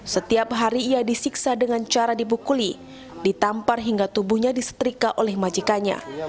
setiap hari ia disiksa dengan cara dibukuli ditampar hingga tubuhnya disetrika oleh majikanya